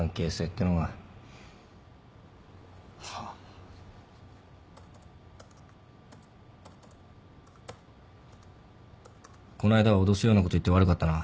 この間は脅すようなこと言って悪かったな。